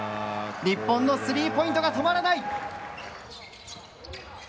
日本のスリーポイントが止まらない。